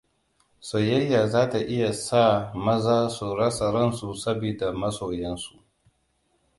Soyayya za ta iya sa maza su rasa ransu sabida masoyansu.